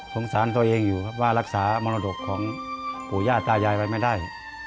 สงสารตัวเองอยู่ครับว่ารักษามนตรกของผู้ญาติตายายไปไม่ได้